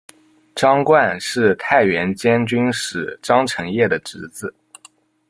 张瓘是太原监军使张承业的侄子。